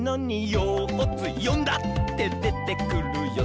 「よっつよんだってでてくるよ」